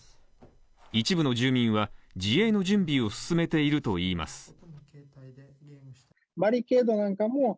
一部の住民は、自衛の準備を進めていると言います。